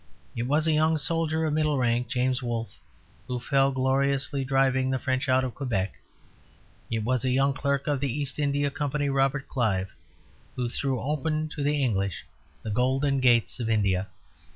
It was a young soldier of middle rank, James Wolfe, who fell gloriously driving the French out of Quebec; it was a young clerk of the East India Company, Robert Clive, who threw open to the English the golden gates of India.